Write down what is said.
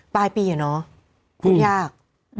ปลายปีอะเนาะพูดยาก